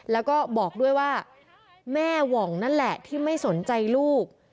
แล้วก็บอกด้วยว่าแม่หว่องนั่นแหละที่ไม่สนใจลูก